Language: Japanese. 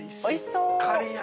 おいしそう！